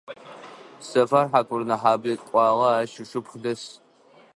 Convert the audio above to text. Сэфар Хьакурынэхьаблэ кӏуагъэ, ащ ышыпхъу дэс.